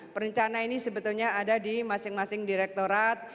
perencana ini sebetulnya ada di masing masing direktorat